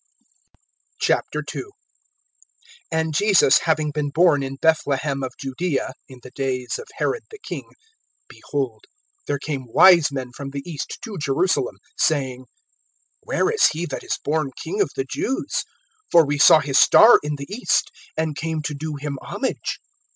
II. AND Jesus having been born in Bethlehem of Judaea, in the days of Herod the king, behold, there came wise men from the east to Jerusalem, (2)saying: Where is he that is born King of the Jews? For we saw his star in the east, and came to do him homage.